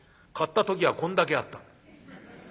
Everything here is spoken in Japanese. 買った時はこんだけあった。